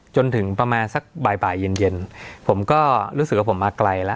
จนถึงประมาณสักบ่ายบ่ายเย็นเย็นผมก็รู้สึกว่าผมมาไกลแล้ว